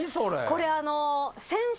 これあの。